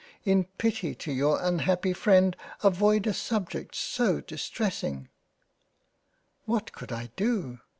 In pity to your unhappy freind avoid a subject so distressing." What could I do